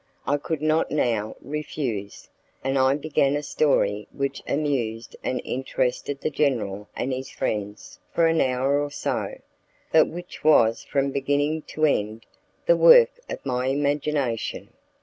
I could not now refuse, and I began a story which amused and interested the general and his friends for an hour or so, but which was from beginning to end the work of my imagination.